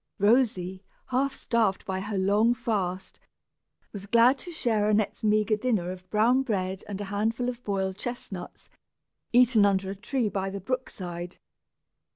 Rosy, half starved by her long fast, was glad to share Annette's meagre dinner of brown bread and a handful of boiled chestnuts, eaten under a tree by the brookside.